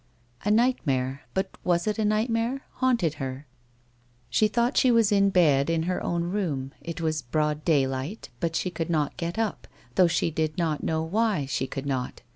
A nightmare — but was it a nightmare ?— baunted her. She thought she was in bed in her own room ; it was broad dajdight, but she could not get up, though slie did not know why she could not.